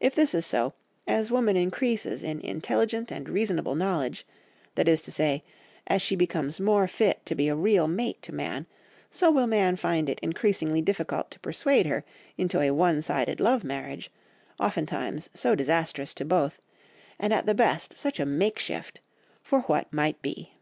If this is so, as woman increases in intelligence and reasonable knowledge, that is to say, as she becomes more fit to be a real mate to man, so will man find it increasingly difficult to persuade her into a one sided love marriage, oftentimes so disastrous to both, and at the best such a makeshift for what might be.